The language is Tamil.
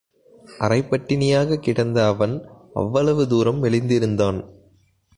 அரைப் பட்டினி யாகக்கிடந்த அவன் அவ்வளவு தூரம் மெலிந்திருந்தான்.